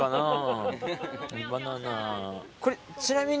これちなみに。